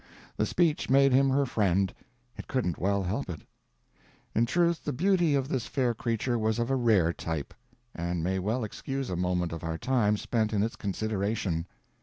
The speech made him her friend; it couldn't well help it. In truth the beauty of this fair creature was of a rare type, and may well excuse a moment of our time spent in its consideration.